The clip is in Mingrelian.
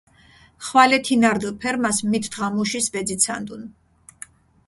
ხვალე თინა რდჷ ფერმას, მით დღამუშის ვეძიცანდუნ.